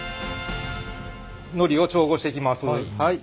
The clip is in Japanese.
のりを調合していきます。